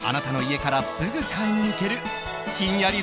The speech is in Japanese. あなたの家からすぐに買いに行けるひんやり